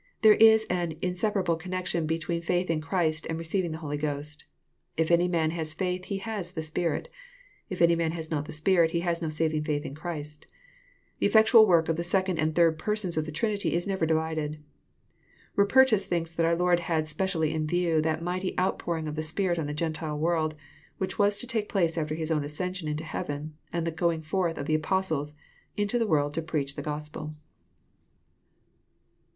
There is an insepa rable connection between faith in Christ and receiving the Holy Ghost. If any man h^ faith he has the Spirit. If any man has not the Spirit be has no saving faith in Christ. The effectual work of the second and third Persons in the Trinity is never divided. ^ Rupertns think that our Lord had specially in view that mighty outpouring of the Spirit on the Gentile world, which was to take place after His own ascension into heaven, and the going forth of the Apostles into the world to preach the Gospel.